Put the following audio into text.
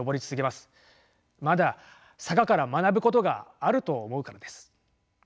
まだ坂から学ぶことがあると思うからです。